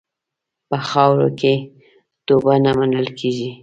په خاوره کې توبه نه منل کېږي.